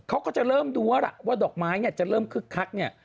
เขาก็จะเริ่มดูแล้วล่ะว่าดอกไม้เนี่ยจะเริ่มคึกคักเนี่ย